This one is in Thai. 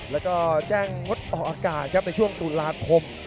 แล้วก็แจ้งงดออกอากาศครับในช่วงตุลาคม